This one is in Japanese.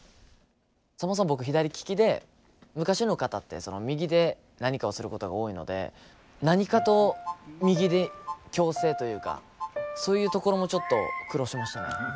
そもそも僕左利きで昔の方って右で何かをすることが多いので何かと右に矯正というかそういうところもちょっと苦労しましたね。